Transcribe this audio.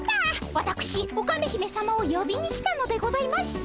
わたくしオカメ姫さまをよびに来たのでございました。